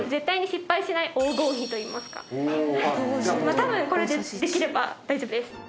たぶんこれでできれば大丈夫です。